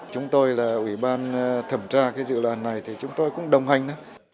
chúng tôi là ủy ban thẩm tra cái dự luật này thì chúng tôi cũng đồng hành